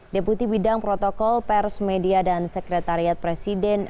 deputi bidang protokol pers media dan sekretariat presiden